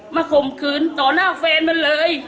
ข่มขืนต่อหน้าแฟนมันเลย